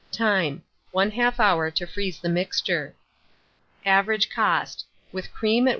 Time. 1/2 hour to freeze the mixture. Average cost, with cream at 1s.